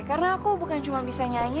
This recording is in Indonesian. karena aku bukan cuma bisa nyanyi